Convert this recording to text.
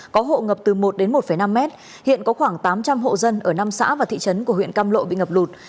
có hộ ngập từ một đến một năm mét hiện có khoảng tám trăm linh hộ dân ở năm xã và thị trấn của huyện cam lộ bị ngập lụt